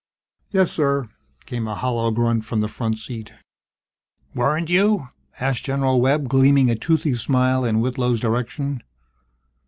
"Yes, sir," came a hollow grunt from the front seat. "Weren't you?" asked General Webb, gleaming a toothy smile in Whitlow's direction.